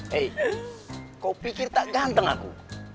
hei kau pikir tak ganteng aku